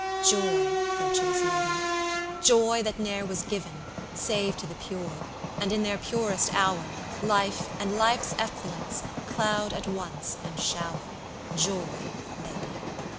Joy, virtuous Lady! Joy that ne'er was given, Save to the pure, and in their purest hour, Life, and life's effluence, cloud at once and shower, Joy, Lady!